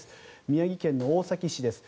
宮城県の大崎市です。